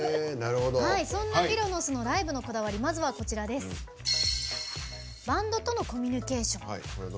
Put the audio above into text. そんなフィロのスのライブのこだわりはバンドとのコミュニケーション。